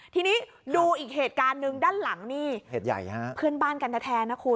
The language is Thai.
ทีนี้ดูอีกเหตุการณ์หนึ่งด้านหลังนี่เหตุใหญ่ฮะเพื่อนบ้านกันแท้นะคุณ